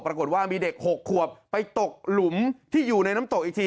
ปรากฏว่ามีเด็ก๖ขวบไปตกหลุมที่อยู่ในน้ำตกอีกที